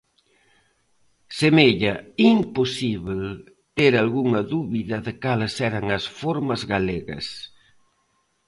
Semella imposíbel ter algunha dúbida de cales eran as formas galegas.